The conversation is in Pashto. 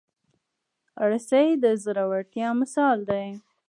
رسۍ د زړورتیا مثال دی.